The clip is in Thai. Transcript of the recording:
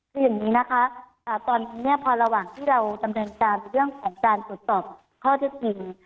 คืออย่างนี้นะคะตอนนี้เนี่ยพอระหว่างที่เราดำเนินการเรื่องของการตรวจสอบข้อเท็จจริง